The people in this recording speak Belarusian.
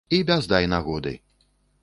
І без дай нагоды.